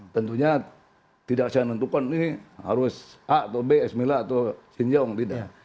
tentunya tidak saya nentukan ini harus a atau b s mila atau xinjong tidak